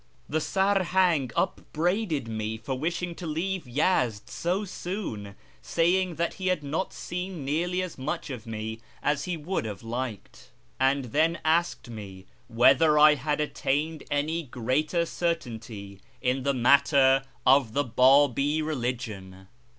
The Sarhang upbraided me for wishing to leave Yezd so soon, saying that he had not seen nearly as much of me as he would have liked, and then asked me whether I had attained any greater certainty in the matter of the Babi religion.